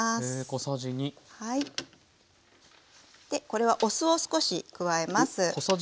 でこれはお酢を少し加えます。